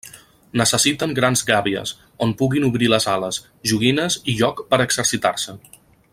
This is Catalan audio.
Necessiten grans gàbies, on puguin obrir les ales, joguines i lloc per a exercitar-se.